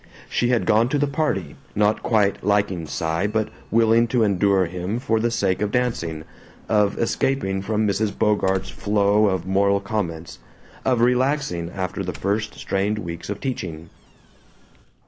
She had gone to the party, not quite liking Cy but willing to endure him for the sake of dancing, of escaping from Mrs. Bogart's flow of moral comments, of relaxing after the first strained weeks of teaching.